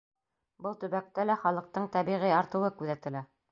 Был төбәктә лә халыҡтың тәбиғи артыуы күҙәтелә.